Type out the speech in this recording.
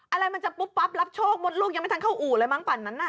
อะไรมันจะปุ๊บปั๊บรับโชคมดลูกยังไม่ทันเข้าอู่เลยมั่งปั่นนั้นน่ะ